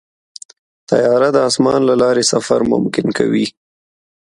طیاره د اسمان له لارې سفر ممکن کوي.